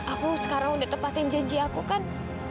aku sekarang udah tepatin janji aku kan